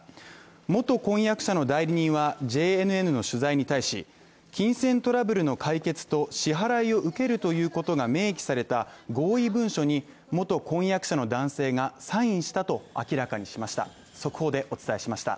元婚約者の代理人は、ＪＮＮの取材に対し、金銭トラブルの解決と支払いを受けるということが明記された合意文書に元婚約者の男性がサインしたと明らかにしました。